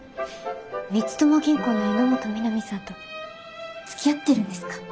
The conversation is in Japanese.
光友銀行の榎本美波さんとつきあってるんですか？